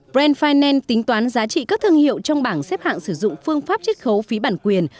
brand finance tính toán giá trị các thương hiệu trong bảng xếp hạng sử dụng phương pháp chích khấu phí bản quyền